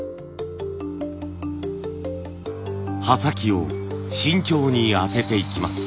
刃先を慎重に当てていきます。